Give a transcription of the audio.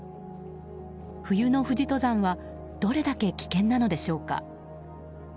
冬の富士登山はどれだけ危険なのでしょうか。